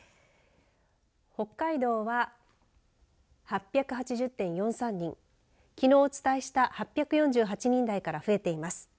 北海道は８８０．４３人きのうお伝えした８４８人台から増えています。